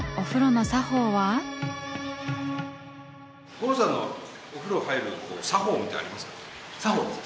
五郎さんのお風呂入る作法みたいなのありますか？